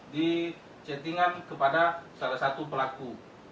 di chatting an kepada salah satu pelaku